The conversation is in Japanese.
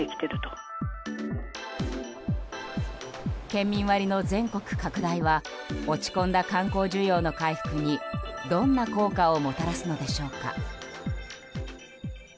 県民割の全国拡大は落ち込んだ観光需要の回復にどんな効果をもたらすのでしょうか？